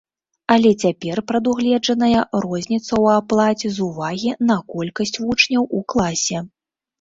Але цяпер прадугледжаная розніца ў аплаце з увагі на колькасць вучняў у класе.